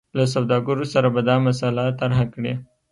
له سوداګرو سره به دا مسله طرحه کړي.